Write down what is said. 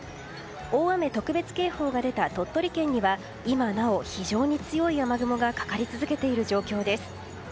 大雨特別警報が出た鳥取県には今なお非常に強い雨雲がかかり続けている状況です。